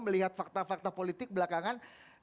melihat fakta fakta politik belakangan